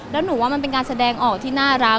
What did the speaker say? แล้วหนูว่ามันเป็นการแสดงออกที่น่ารัก